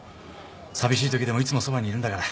寂しいときでもいつもそばにいるんだから。